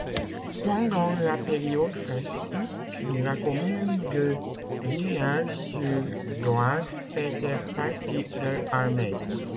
Pendant la période fasciste, la commune de Villar-sur-Doire faisait partie de Almèse.